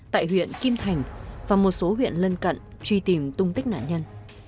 tại huyện kim thành và một số huyện lân cận truy tìm tung tích nạn nhân